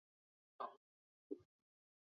华斑盖蛛为皿蛛科盖蛛属的动物。